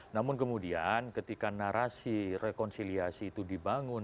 namun kemudian ketika narasi rekonsiliasi itu dibangun